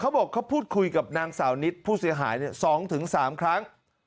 บอกเขาพูดคุยกับนางสาวนิดผู้เสียหาย๒๓ครั้ง